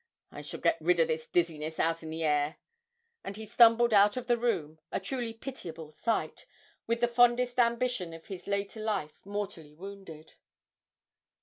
I shall get rid of this dizziness out in the air;' and he stumbled out of the room, a truly pitiable sight, with the fondest ambition of his later life mortally wounded.